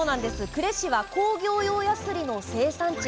呉市は工業用やすりの生産地。